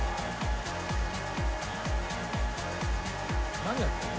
何やってるんだ？